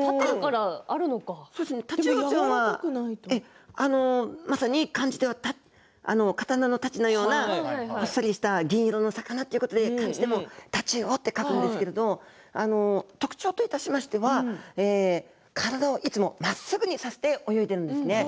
タチウオちゃんはまさに漢字では刀の太刀のようなあっさりした銀色の魚ということで太刀魚と書くんですけど特徴といたしましては体をいつもまっすぐにさせて泳いでいるんですね。